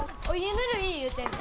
ぬるい言うてんで。